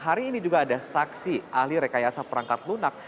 hari ini juga ada saksi ahli rekayasa perangkat lunak